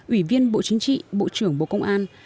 ủy viên bộ chính trị bộ trưởng bộ công an